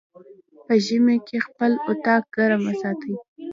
په ژمی کی خپل اطاق ګرم وساتی